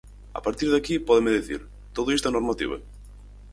A partir de aquí, pódeme dicir: todo isto é normativa.